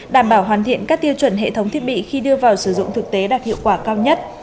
đảm bảo hoàn thiện các tiêu chuẩn hệ thống thiết bị khi đưa vào sử dụng thực tế đạt hiệu quả cao nhất